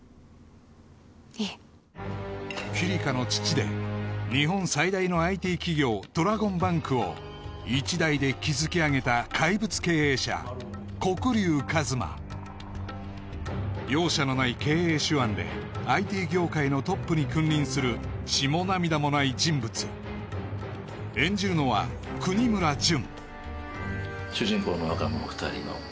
いえキリカの父で日本最大のＩＴ企業ドラゴンバンクを一代で築き上げた怪物経営者黒龍一真容赦のない経営手腕でＩＴ業界のトップに君臨する血も涙もない人物演じるのは國村隼